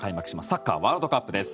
サッカーワールドカップです。